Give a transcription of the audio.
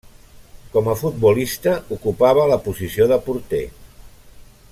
Com a futbolista ocupava la posició de porter.